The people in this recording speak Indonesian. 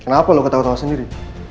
kenapa lo ketawa ketawa sendiri